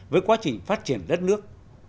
với quá trình phát triển đất nước